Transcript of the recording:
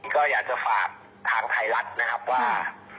ก็อยากจะฝากทางไทยรัฐนะครับว่า